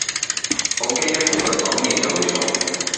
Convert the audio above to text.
好驚一同佢講野就會燥